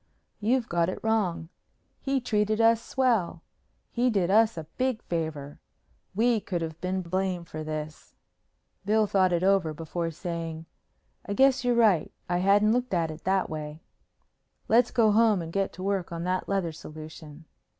"You've got it wrong. He treated us swell. He did us a big favor. We could have been blamed for this." Bill thought it over before saying, "I guess you're right. I hadn't looked at it that way." "Let's go home and get to work on the leather solution."